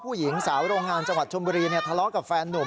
ผู้หญิงสาวโรงงานจังหวัดชมบุรีทะเลาะกับแฟนนุ่ม